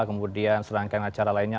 kemudian serangkaian acara lainnya